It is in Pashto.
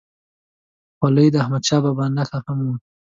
خولۍ د احمدشاه بابا نښه هم وه.